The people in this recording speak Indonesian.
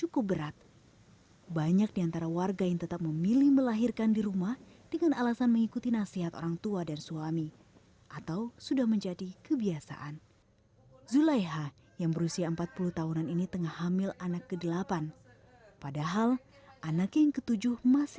kesehatan yang baik seperti di sini ada banyak anak banyak rezeki saya selalu menjelaskan kita